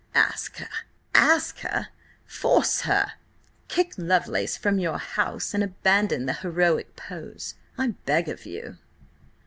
Ask her! Ask her! Force her! Kick Lovelace from your house and abandon the heroic pose, I beg of you!"